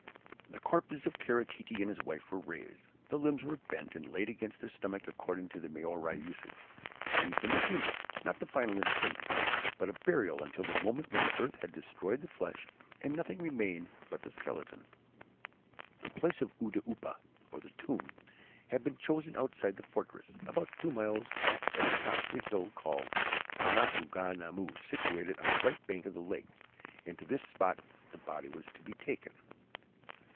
The corpses of Kara Tete and his wife were raised, the limbs were bent, and laid against the stomach according to the Maori usage; then came the funeral, not the final interment, but a burial until the moment when the earth had destroyed the flesh and nothing remained but the skeleton. The place of "oudoupa," or the tomb, had been chosen outside the fortress, about two miles off at the top of a low hill called Maunganamu, situated on the right bank of the lake, and to this spot the body was to be taken.